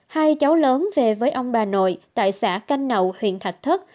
hai cháu lớn về với ông bà nội tại xã canh nậu huyện thạch thất